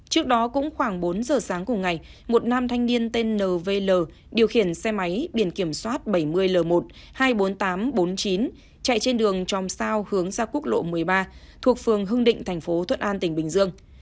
trước đó cũng khoảng bốn giờ sáng cùng ngày một nam thanh niên tên nvl điều khiển xe máy biển kiểm soát bảy mươi l một hai mươi bốn nghìn tám trăm bốn mươi chín chạy trên đường chom sao hướng ra quốc lộ một mươi ba thuộc phường hưng định thành phố thuận an tỉnh bình dương